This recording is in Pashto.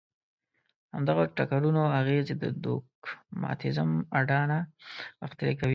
د همدغو ټکرونو اغېزې د دوګماتېزم اډانه غښتلې کوي.